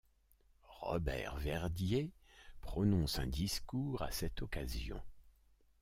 Robert Verdier prononce un discours à cette occasion.